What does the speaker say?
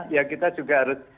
ya kita juga harus